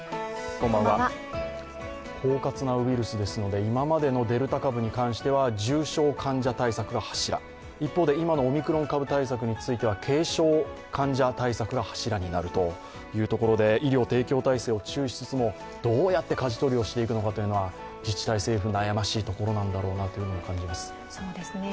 狡猾なウイルスですので、今待てのデルタ株対策では重症患者対策が柱、一方で今のオミクロン株患者対策については軽症患者対策が柱になるというところで医療提供体制などを注視しつつもどうやってかじ取りをしていくのかというのは自治体・政府悩ましいところなんだなという気がします。